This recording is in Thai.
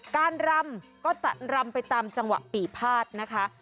การรำก็ตัดรำไปตามจังหวะปีภาษณ์นะคะ